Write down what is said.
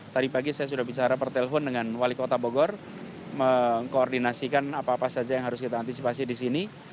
tadi pagi saya sudah bicara pertelepon dengan wali kota bogor mengkoordinasikan apa apa saja yang harus kita antisipasi di sini